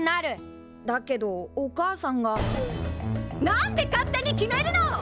だけどお母さんが何で勝手に決めるの！